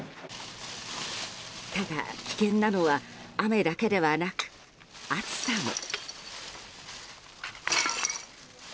ただ、危険なのは雨だけではなく暑さも。